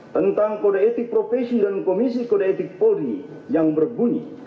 tentang kode etik profesi dan komisi kode etik polri yang berbunyi